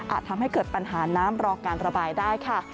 ทำให้เกิดปัญหาน้ำรอการระบายได้ค่ะ